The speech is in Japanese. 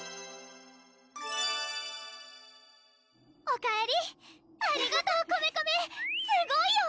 おかえりありがとうコメコメすごいよ！